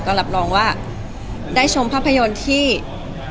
ก็รับรองว่าได้ชมภาพยนตร์ที่ระบบดีแล้วก็นอนสบายด้วยค่ะ